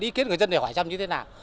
ý kiến người dân để hỏi chăm như thế nào